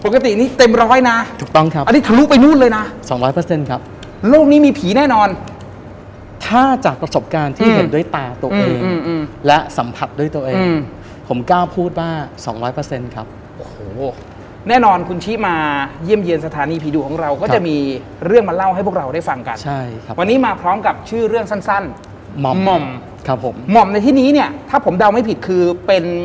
คุณรู้ไปนู่นเลยนะ๒๐๐ครับโลกนี้มีผีแน่นอนถ้าจากประสบการณ์ที่เห็นด้วยตาตัวเองและสัมผัสด้วยตัวเองผมกล้าพูดว่า๒๐๐ครับแน่นอนคุณชี้มาเยี่ยมเยียนสถานีผีดุของเราก็จะมีเรื่องมาเล่าให้พวกเราได้ฟังกันวันนี้มาพร้อมกับชื่อเรื่องสั้นหม่อมครับผมหม่อมในที่นี้เนี่ยถ้าผมเดาไม่ผิดคือเป็น